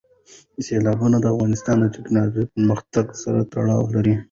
سیلابونه د افغانستان د تکنالوژۍ پرمختګ سره تړاو لري.